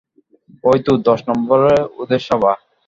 ঐ তো দশ নম্বরে ওদের সভা?